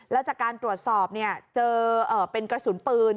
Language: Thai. แล้วจากการตรวจสอบเจอเป็นกระสุนปืน